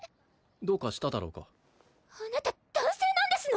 どうかしただろうかあなた男性なんですの？